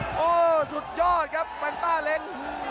โอ้โหสุดยอดครับแฟนต้าเล็ก